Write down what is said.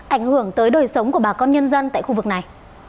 ảnh hưởng tới đời sống của bà con nhân dân tại khu vực này